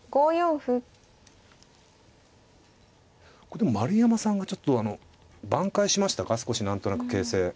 でも丸山さんがちょっと挽回しましたか少し何となく形勢。